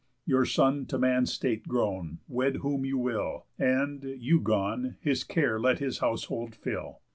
Your son to man's state grown, wed whom you will; And, you gone, his care let his household fill.